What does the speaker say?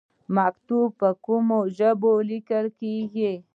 مکاتیب په کومو ژبو لیکل کیږي؟